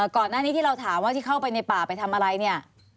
ก่อนหน้านี้ที่เราถามว่าที่เข้าไปในป่าไปทำอะไรเนี่ย